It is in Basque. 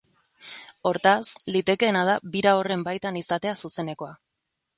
Hortaz, litekeena da bira horren baitan izatea zuzenekoa.